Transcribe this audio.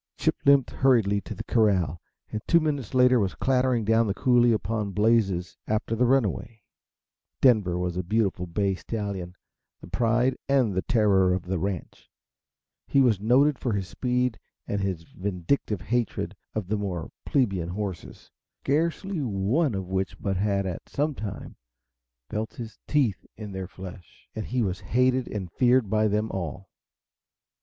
Chip limped hurriedly to the corral, and two minutes later was clattering down the coulee upon Blazes, after the runaway. Denver was a beautiful bay stallion, the pride and terror of the ranch. He was noted for his speed and his vindictive hatred of the more plebeian horses, scarcely one of which but had, at some time, felt his teeth in their flesh and he was hated and feared by them all.